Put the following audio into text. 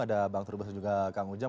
ada bang terubus dan juga kang ujang